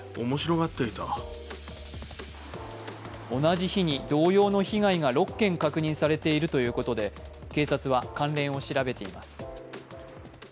同じ日に同様の被害が６件確認されているということで警察は関連を調べています。